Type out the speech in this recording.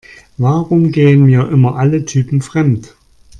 Warum gehen mir immer alle Typen fremd?